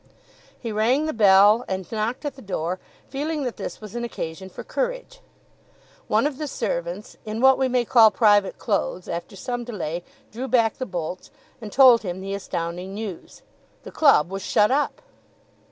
He rang the bell, and knocked at the door, feeling that this was an occasion for courage. One of the servants, in what we may call private clothes, after some delay, drew back the bolts, and told him the astounding news; The club was shut up!